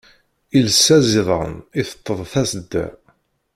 Iles aẓidan, iteṭṭeḍ tasedda.